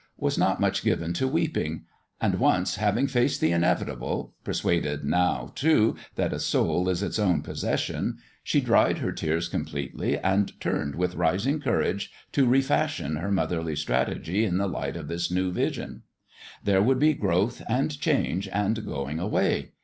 was not much given to weeping ; and once having faced the inevitable persuaded, now, too, that a soul is its own possession she dried her tears com pletely and turned with rising courage to re fashion her motherly strategy in the light of this new vision. There would be growth and change and going away.